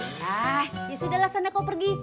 nah ya sudah lah sana kau pergi